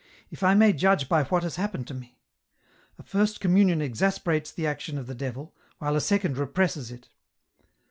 If I may judge by what has happened to me ; a first communion exasperates the action of the devil, while a second represses it.